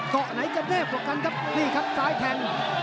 ไหนจะแน่กว่ากันครับนี่ครับซ้ายแทง